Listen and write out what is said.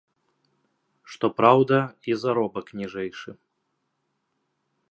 Што праўда, і заробак ніжэйшы.